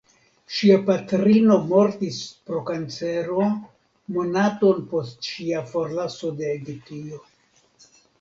Ŝia patrino mortis pro kancero monaton post ŝia forlaso de Egiptio.